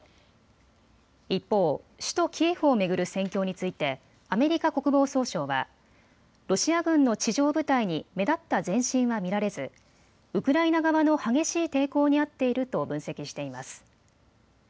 一方、首都キエフを巡る戦況についてアメリカ国防総省はロシア軍の地上部隊に目立った前進は見られず、ウクライナ側の激しい抵抗にあっていると分析しています。